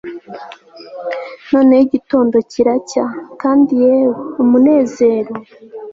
noneho igitondo kiracya, kandi yewe, umunezero